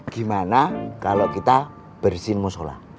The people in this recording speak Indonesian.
gimana kalau kita bersin musola